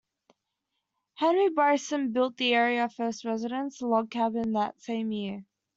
Henry Bryson built the area's first residence, a log cabin, that same year.